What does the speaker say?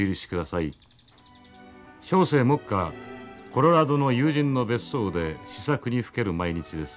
小生目下コロラドの友人の別荘で思索にふける毎日です。